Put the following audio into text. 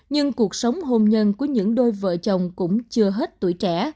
nhưng cuộc sống hôn nhân của những đôi vợ chồng cũng chưa hết tuổi trẻ